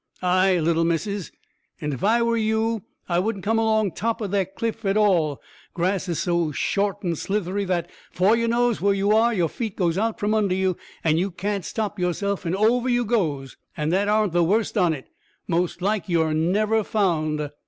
"Ay, little missus; and, if I were you, I wouldn't come along top o' they clifts at all. Grass is so short and slithery that, 'fore you knows where you are, your feet goes from under you, and you can't stop yourself, and over you goes. And that aren't the worst on it; most like you're never found."